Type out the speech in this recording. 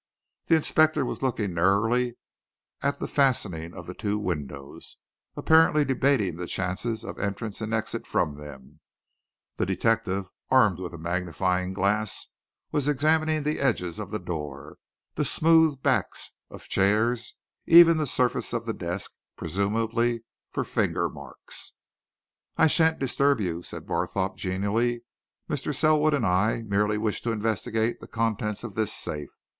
The inspector was looking narrowly at the fastenings of the two windows and apparently debating the chances of entrance and exit from them; the detective, armed with a magnifying glass, was examining the edges of the door, the smooth backs of chairs, even the surface of the desk, presumably for finger marks. "I shan't disturb you," said Barthorpe, genially. "Mr. Selwood and I merely wish to investigate the contents of this safe.